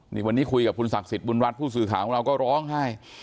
นี่วันนี้คุยกับคุณศักดิ์สิทธิบุญรัฐผู้สื่อข่าวของเราก็ร้องไห้